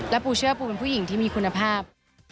ปูเชื่อปูเป็นผู้หญิงที่มีคุณภาพ